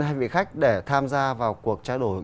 hai vị khách để tham gia vào cuộc trao đổi